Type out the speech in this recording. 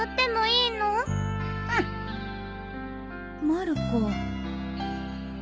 まる子。